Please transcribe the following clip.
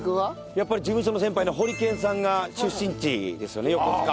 やっぱり事務所の先輩のホリケンさんが出身地ですよね横須賀。